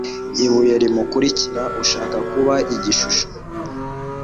Ibuye rimukurikira ushaka kuba igishusho